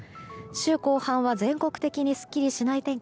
週後半は全国的にすっきりしない天気。